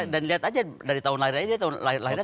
dan lihat aja dari tahun lahirnya dia lahirnya